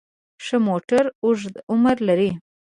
ښه موټر اوږد عمر لري.